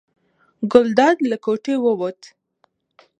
ګلداد له کوټې ووت.